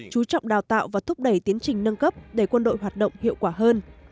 chú trọng đào tạo và thúc đẩy tiến trình nâng cấp để quân đội hoạt động hiệu quả hơn